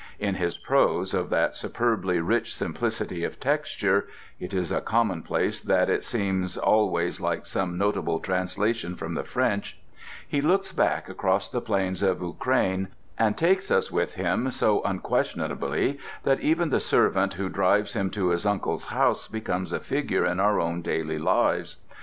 In his prose of that superbly rich simplicity of texture—it is a commonplace that it seems always like some notable translation from the French—he looks back across the plains of Ukraine, and takes us with him so unquestionably that even the servant who drives him to his uncle's house becomes a figure in our own daily lives.